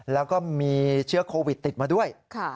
แล้วก็มีเชื้อโควิดติดมาด้วย